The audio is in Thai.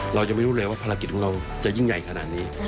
เรายังไม่รู้เลยว่าภารกิจของเราจะยิ่งใหญ่ขนาดนี้